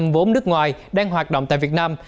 vốn nước ngoài đang hoạt động tại việt nam